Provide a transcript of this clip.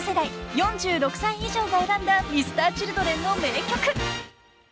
［４６歳以上が選んだＭｒ．Ｃｈｉｌｄｒｅｎの名曲］